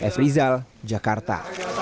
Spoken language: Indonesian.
f rizal jakarta